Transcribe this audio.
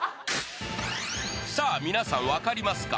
皆さん、分かりますか？